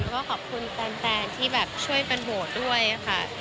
ก็ขอบคุณแฟนที่แบบช่วยเป็นโบสถ์ด้วยค่ะ